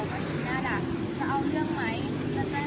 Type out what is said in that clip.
ตอนนี้กำหนังไปคุยของผู้สาวว่ามีคนละตบ